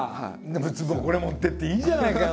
別にこれ持ってっていいじゃないかよ